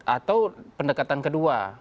atau pendekatan kedua